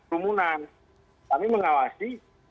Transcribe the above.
rumunan kami mengawasi